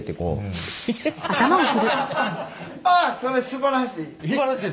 それすばらしい！